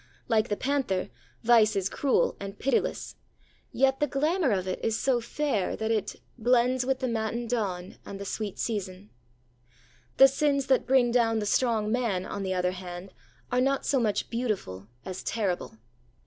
Like the panther, vice is cruel and pitiless; yet the glamour of it is so fair that it 'blends with the matin dawn and the sweet season.' The sins that bring down the strong man, on the other hand, are not so much beautiful as terrible.